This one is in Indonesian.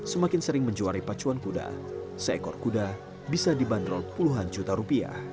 semakin sering menjuari pacuan kuda seekor kuda bisa dibanderol puluhan juta rupiah